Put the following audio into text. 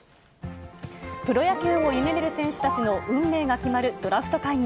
プロ野球を夢みる選手たちの運命が決まるドラフト会議。